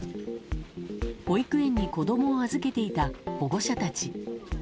保育園に子供を預けていた保護者たち。